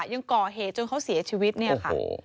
ยังก่อเหตุจนเขาเสียชีวิตเนี่ยค่ะ